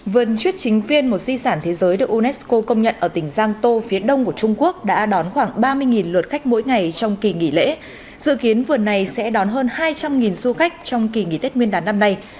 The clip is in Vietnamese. vườn chuyết chính viên một di sản thế giới được unesco công nhận ở tỉnh giang tô phía đông của trung quốc đã đón khoảng ba mươi lượt khách mỗi ngày trong kỳ nghỉ lễ dự kiến vườn này sẽ đón hơn hai trăm linh du khách trong kỳ nghỉ tết nguyên đán năm nay